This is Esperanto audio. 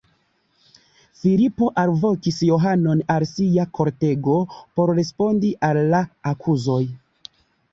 Filipo alvokis Johanon al sia kortego por respondi al la akuzoj.